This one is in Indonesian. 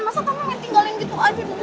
masa tante mau tinggalin gitu aja dong